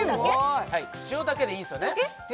塩だけでいいんですよね？